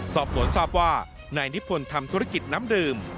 สอบสวนทราบว่านายนิพนธ์ทำธุรกิจน้ำดื่ม